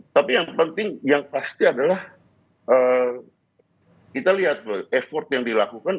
tapi yang penting yang pasti adalah kita lihat effort yang dilakukan